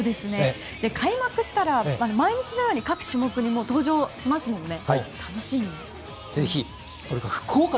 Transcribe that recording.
開幕したら毎日のように各種目に登場しますもんね。